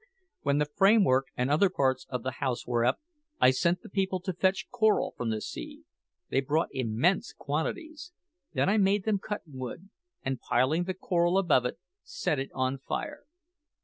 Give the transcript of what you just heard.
When the framework and other parts of the house were up, I sent the people to fetch coral from the sea. They brought immense quantities. Then I made them cut wood, and piling the coral above it, set it on fire.